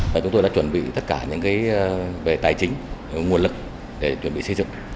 và chúng tôi đã chuẩn bị tất cả những cái về tài chính nguồn lực để chuẩn bị xây dựng